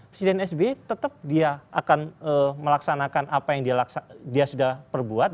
presiden sby tetap dia akan melaksanakan apa yang dia sudah perbuat